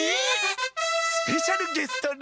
スペシャルゲストルーム！